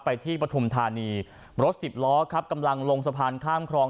ที่ปฐุมธานีรถสิบล้อครับกำลังลงสะพานข้ามครอง